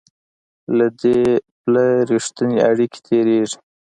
له دې پله رښتونې اړیکې تېرېږي.